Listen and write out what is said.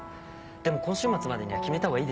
でも今週末までには決めた方がいいですよ。